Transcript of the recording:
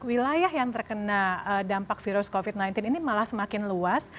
wilayah yang terkena dampak virus covid sembilan belas ini malah semakin luas